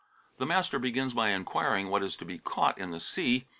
The master begins by inquiring what is to be caught in the sea.